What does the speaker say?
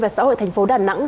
và xã hội thành phố đà nẵng